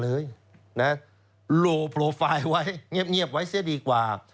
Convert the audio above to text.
โลโปรไฟล์ไว้เงียบไว้เสียดีกว่า